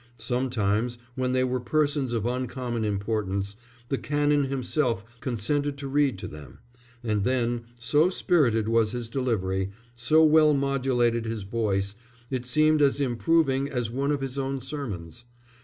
Sometimes, when they were persons of uncommon importance, the Canon himself consented to read to them; and then, so spirited was his delivery, so well modulated his voice, it seemed as improving as one of his own sermons.